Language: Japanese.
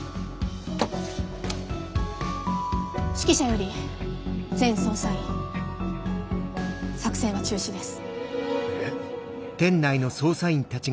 指揮車より全捜査員作戦は中止です。